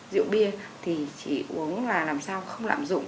rượu bia thì chỉ uống là làm sao không lạm dụng